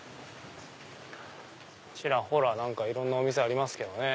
ちらほらいろんなお店がありますけどね。